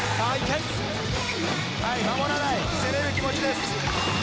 攻める気持ちです。